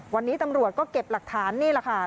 วันนี้ตำรวจก็เก็บหลักฐานนี่แหละค่ะ